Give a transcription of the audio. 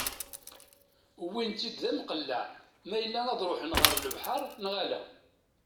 Wwin-tt-id d amqelleɛ ma yella ad ruḥen ɣer lebḥer neɣ ala.